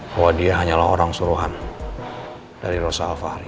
bahwa dia hanyalah orang suruhan dari rosa al fahri